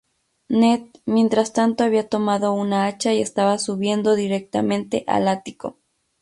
Ned, mientras tanto, había tomado un hacha y estaba subiendo directamente al ático.